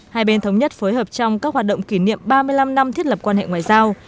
hai bên thống nhất phối hợp trong các hoạt động kỷ niệm ba mươi năm năm thiết lập quan hệ ngoại giao